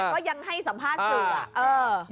แต่ก็ยังให้สัมภาษณ์จริงล่ะ